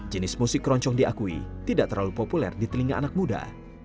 jenis musik keroncong diakui tidak terlalu populer di telinga anak muda